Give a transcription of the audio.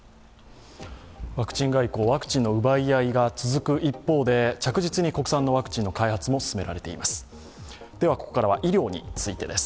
ワクチン外交ワクチンの奪い合いが続く一方で着実に国産のワクチンの開発も進められています。